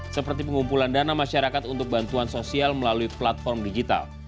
seperti pengumpulan dana masyarakat untuk bantuan sosial melalui platform digital